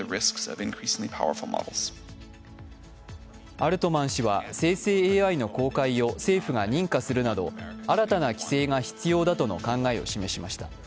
アルトマン氏は生成ＡＩの公開を政府が認可するなど新たな規制が必要だとの考えを示しました。